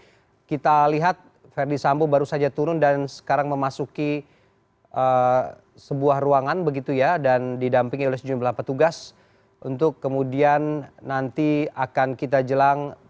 jadi kita lihat verdi sambo baru saja turun dan sekarang memasuki sebuah ruangan begitu ya dan didampingi oleh sejumlah petugas untuk kemudian nanti akan kita jelang